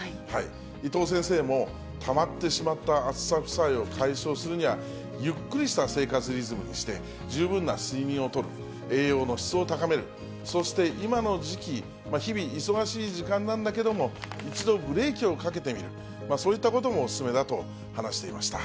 伊藤先生も、たまってしまった暑さ負債を解消するには、ゆっくりした生活リズムにして、十分な睡眠をとる、栄養の質を高める、そして今の時期、日々、忙しい時間なんだけども、一度ブレーキをかけてみる、そういったこともお勧めだと話していました。